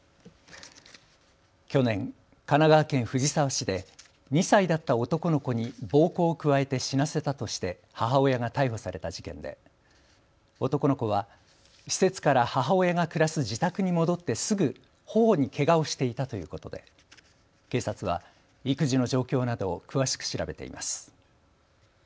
去年、神奈川県藤沢市で２歳だった男の子に暴行を加えて死なせたとして母親が逮捕された事件で男の子は施設から母親が暮らす自宅に戻ってすぐほほにけがをしていたということで警察は育児の状況などを詳しく調べています。